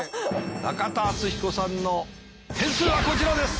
中田敦彦さんの点数はこちらです。